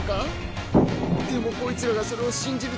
でもこいつらがそれを信じるとは思えない